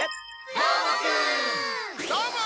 どーも！